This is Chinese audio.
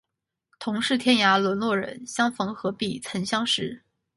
同是天涯沦落人，相逢何必曾相识